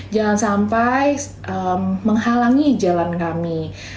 jangan sampai menghalangi jalan kami